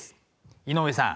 井上さん。